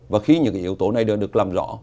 và khi những yếu tố này được làm rõ